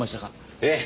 ええ。